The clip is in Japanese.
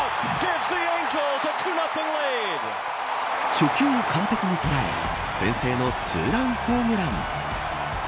初球を完璧に捉え先制のツーランホームラン。